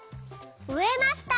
「うえました」。